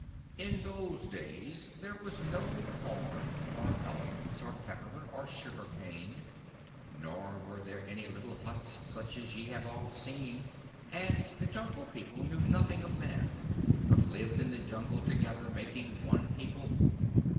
"In those days there was no corn or melons or pepper or sugar cane, nor were there any little huts such as ye have all seen; and the Jungle People knew nothing of Man, but lived in the Jungle together, making one people.